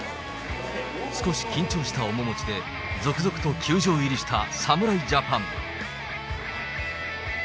少し緊張した面持ちで、続々と球場入りした侍ジャパン。